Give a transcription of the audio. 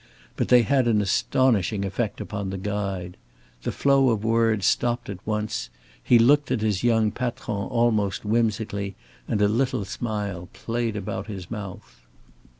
But they had an astonishing effect upon the guide. The flow of words stopped at once, he looked at his young patron almost whimsically and a little smile played about his mouth.